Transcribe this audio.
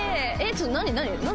ちょっと何？